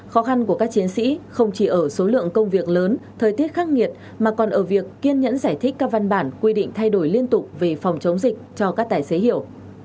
khó khăn của các chiến sĩ không chỉ ở số lượng công việc lớn thời tiết khắc nghiệt mà còn ở việc kiên nhẫn giải thích các văn bản quy định thay đổi liên tục về phòng chống dịch cho các tài xế hiểu